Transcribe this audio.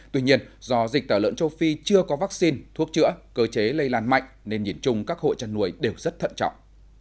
tuy nhiên do dịch tả lợn châu phi chưa có vaccine thuốc chữa cơ chế lây lan mạnh nên nhìn chung các hộ chăn nuôi đều rất thận trọng